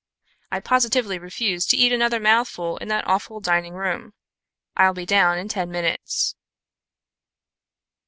I positively refuse to eat another mouthful in that awful dining room. I'll be down in ten minutes."